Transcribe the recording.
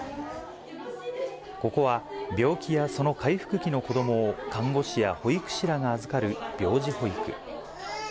ここは、病気やその回復期の子どもを、看護師や保育士らが預かる病児保育。